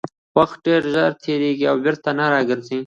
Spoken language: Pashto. وخت ډېر ژر تېرېږي او بېرته نه راګرځي